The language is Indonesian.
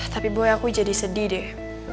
tapi boy aku jadi sedih deh